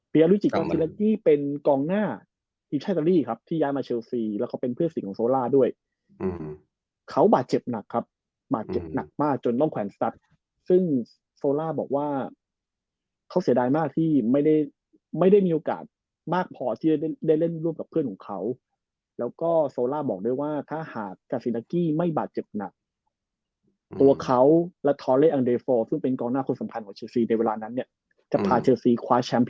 เปียรุจิกาซีลากี้เป็นกองหน้าอิทชาติรี่ครับที่ย้ายมาเชลสีแล้วเขาเป็นเพื่อนศิลป์ของโซล่าด้วยเขาบาดเจ็บหนักครับบาดเจ็บหนักมากจนต้องแขวนสัตว์ซึ่งโซล่าบอกว่าเขาเสียดายมากที่ไม่ได้ไม่ได้มีโอกาสมากพอที่ได้เล่นร่วมกับเพื่อนของเขาแล้วก็โซล่าบอกด้วยว่าถ้าหากกาซีลากี้ไม่บาดเจ็บหนักตัว